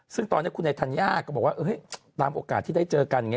ซึ่งตอนนี้คุณไอธัญญาก็บอกว่าตามโอกาสที่ได้เจอกันอย่างนี้